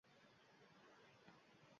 Hozir buvangni chaqiraman.